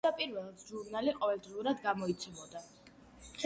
თავდაპირველად ჟურნალი ყოველდღიურად გამოიცემოდა.